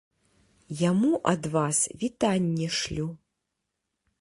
Яму ад вас вітанне шлю.